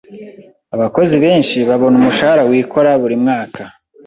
Abakozi benshi babona umushahara wikora buri mwaka.